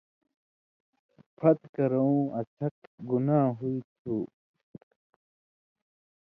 پھت کرٶں اڅھَک (گناہ) ہُوئ تھُو۔